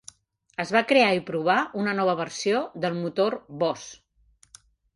Es va crear i provar una nova versió del motor Boss.